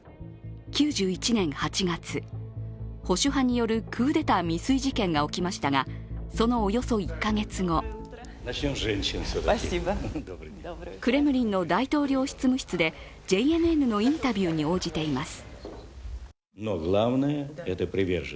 ９１年８月、保守派によるクーデター未遂事件が起きましたが、そのおよそ１カ月後クレムリンの大統領執務室でＪＮＮのインタビューに応じています